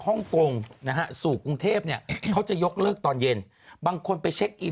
ฮ่องกงนะฮะสู่กรุงเทพเนี่ยเขาจะยกเลิกตอนเย็นบางคนไปเช็คอี